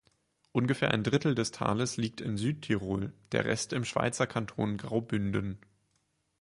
Ungefähr ein Drittel des Tales liegt in Südtirol, der Rest im Schweizer Kanton Graubünden.